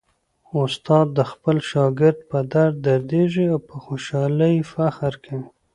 استاد د خپل شاګرد په درد دردیږي او په خوشالۍ یې فخر کوي.